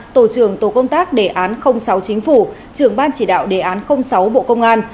tổ trưởng tổ công tác đề án sáu chính phủ trưởng ban chỉ đạo đề án sáu bộ công an